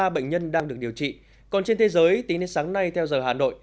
một trăm một mươi ba bệnh nhân đang được điều trị còn trên thế giới tính đến sáng nay theo giờ hà nội